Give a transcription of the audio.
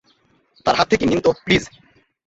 তার হাত থেকে নিন তো, প্লিজ।